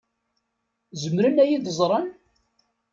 Zemren ad iyi-d-ẓren?